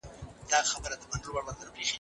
انساني ځواک تر مالي پانګي هم ډیر مهم دی.